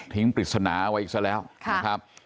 ปริศนาเอาไว้อีกซะแล้วนะครับ